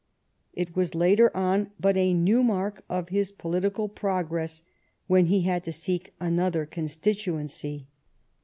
It was later on but a new mark of his politi cal progress when he had to seek another constitu ency.